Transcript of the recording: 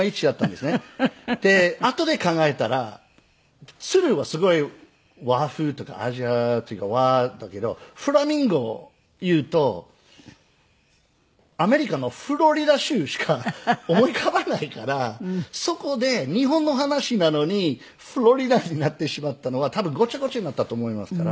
あとで考えたら鶴はすごい和風とかアジアというか和だけどフラミンゴを言うとアメリカのフロリダ州しか思い浮かばないからそこで日本の話なのにフロリダになってしまったのは多分ゴチャゴチャになったと思いますから。